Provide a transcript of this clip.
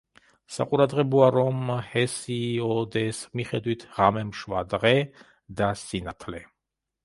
საყურადღებოა, რომ ჰესიოდეს მიხედვით, ღამემ შვა დღე და სინათლე.